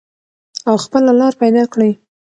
او خپله لار پیدا کړئ.